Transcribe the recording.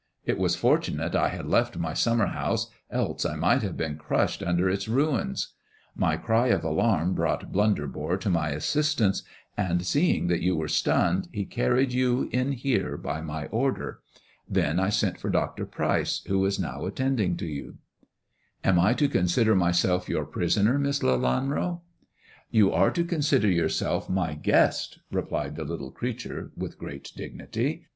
[t was fortunate I had left my summer house, else I might lave been crushed under its ruins. My cry of alarm jrought Blunderbore to my assistance, and seeing that you ^ere stunned he carried you in here by my order. Then I lent for Dr. Pryce, who is now attending to you." " Am I to consider myself your prisoner. Miss Lelanro 1 " 1 34 ' THE dwarf's chamber "You are to consider yourself my guest/' replied the little creature, with great dignity.